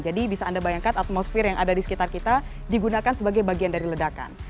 jadi bisa anda bayangkan atmosfer yang ada di sekitar kita digunakan sebagai bagian dari ledakan